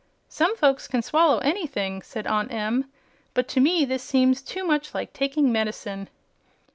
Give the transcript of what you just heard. "Some folks can swallow anything," said Aunt Em, "but to me this seems too much like taking medicine."